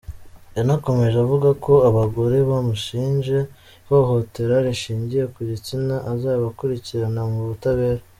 Yanakomeje avuga ko abagore bamushinje ihohotera rishingiye ku gitsina, azabakurikirana mu butabera.